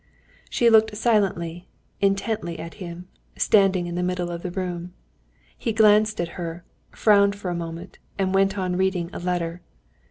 She looked silently, intently at him, standing in the middle of the room. He glanced at her, frowned for a moment, and went on reading a letter.